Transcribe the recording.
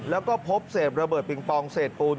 แล้วก็พบเศษระเบิดปิงปองเศษปูน